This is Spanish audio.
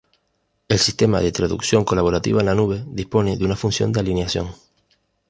El sistema de traducción colaborativa en la nube dispone de una función de alineación.